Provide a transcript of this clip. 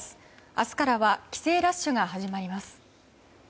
明日からは帰省ラッシュが始まります。